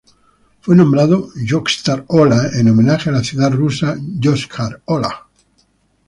Fue nombrado Yoshkar-Ola en homenaje a la ciudad rusa Yoshkar-Olá.